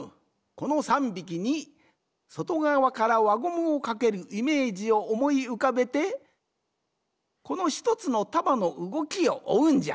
この３びきにそとがわからわゴムをかけるイメージをおもいうかべてこの１つのたばのうごきをおうんじゃ。